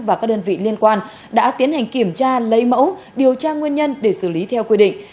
và các đơn vị liên quan đã tiến hành kiểm tra lấy mẫu điều tra nguyên nhân để xử lý theo quy định